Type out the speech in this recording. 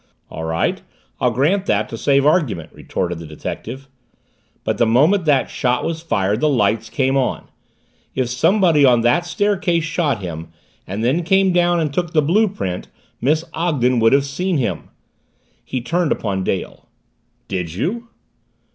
"All right I'll grant that to save argument," retorted the detective. "But the moment that shot was fired the lights came on. If somebody on that staircase shot him, and then came down and took the blue print, Miss Ogden would have seen him." He turned upon Dale. "Did you?"